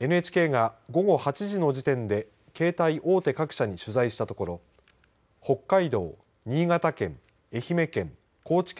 ＮＨＫが午後８時の時点で携帯大手各社に取材したところ北海道、新潟県愛媛県